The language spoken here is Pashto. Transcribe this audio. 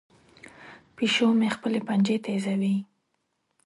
پیشو مې خپلې پنجې تیزوي.